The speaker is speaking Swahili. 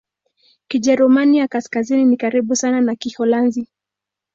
Kijerumani ya Kaskazini ni karibu sana na Kiholanzi.